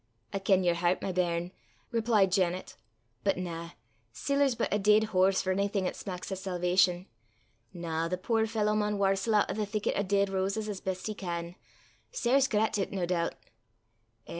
"I ken yer hert, my bairn," replied Janet; "but na; siller's but a deid horse for onything 'at smacks o' salvation. Na; the puir fallow maun warstle oot o' the thicket o' deid roses as best he can sair scrattit, nae doobt. Eh!